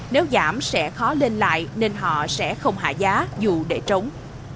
nếu giảm sẽ khó lên lại nên họ sẽ không hạ giá dù để trống